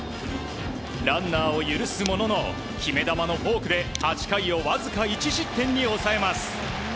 ランナーを許すものの決め球のフォークで８回をわずか１失点に収めます。